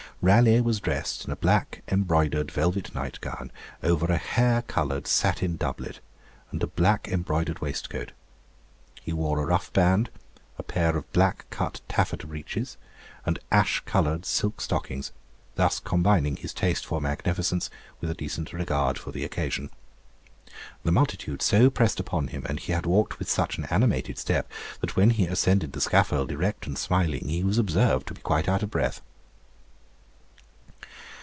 Raleigh was dressed in a black embroidered velvet night gown over a hare coloured satin doublet and a black embroidered waistcoat. He wore a ruff band, a pair of black cut taffetas breeches, and ash coloured silk stockings, thus combining his taste for magnificence with a decent regard for the occasion. The multitude so pressed upon him, and he had walked with such an animated step, that when he ascended the scaffold, erect and smiling, he was observed to be quite out of breath.